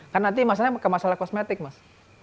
kan nanti masalahnya ke masalah kosmetik mas